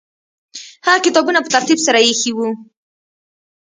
هغه کتابونه په ترتیب سره ایښي وو.